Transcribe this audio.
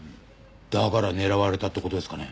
だから狙われたって事ですかね？